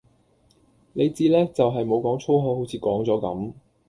你至叻就系冇講粗口好似講咗噉